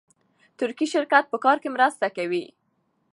ترکي شرکت په کار کې مرسته کوي.